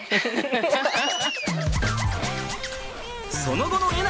その後の笑